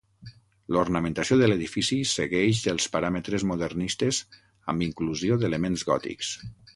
L'ornamentació de l'edifici segueix els paràmetres modernistes amb inclusió d'elements gòtics.